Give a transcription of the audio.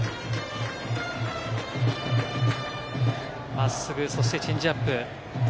真っすぐ、そしてチェンジアップ。